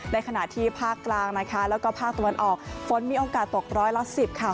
ในขณะที่ภาคกลางนะคะแล้วก็ภาคตะวันออกฝนมีโอกาสตกร้อยละสิบค่ะ